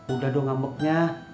udah dong ngambeknya